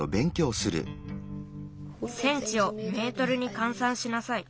センチをメートルにかんさんしなさい。